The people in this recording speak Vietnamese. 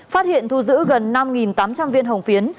phát hiện thu giữ gần năm tám trăm linh viên hồng phiến